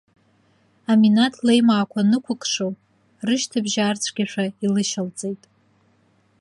Аминаҭ леимаақәа нықәыкшо, рышьҭыбжь аарцәгьашәа илышьалҵеит.